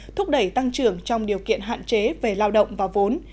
thúc đẩy tăng trưởng trong điều kiện hạn chế về lao động và vốn